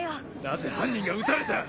なぜ犯人が撃たれた？